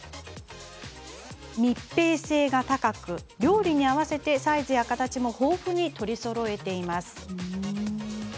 密閉性が高く、料理に合わせてサイズや形も豊富に取りそろえています。